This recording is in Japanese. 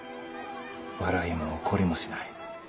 笑いも怒りもしない。